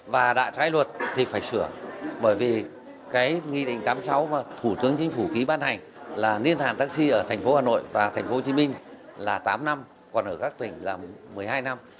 và đã trái luật thì phải sửa bởi vì cái nghị định tám mươi sáu mà thủ tướng chính phủ ký ban hành là niên hạn taxi ở thành phố hà nội và thành phố hồ chí minh là tám năm còn ở các tỉnh là một mươi hai năm